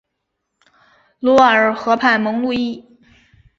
卢瓦尔河畔蒙路易。